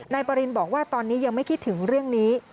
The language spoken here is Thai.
นายปรินบอกว่าตอนนี้ยังไม่คิดถึงเรื่องนี้